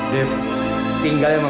dia anak saya minggir kamu